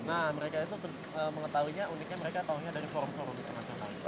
nah mereka itu mengetahuinya uniknya mereka tahunya dari forum forum internasional